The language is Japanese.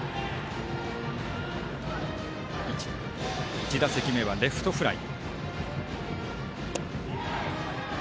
１打席目はレフトフライ。